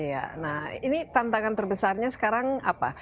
iya nah ini tantangan terbesarnya sekarang apa